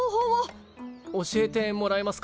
教えてもらえますか？